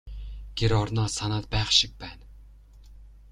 Гэр орноо санаад байх шиг байна.